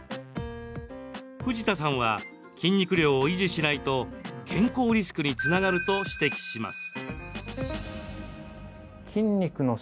藤田さんは筋肉量を維持しないと健康リスクにつながると指摘します。